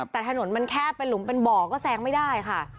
แต่ถนนมันแคบเป็นหลุมเป็นบ่อก็แซงไม่ได้ค่ะ